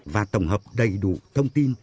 và tổng hợp đầy đủ thông tin